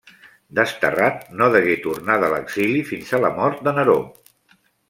Desterrat, no degué tornar de l'exili fins a la mort de Neró.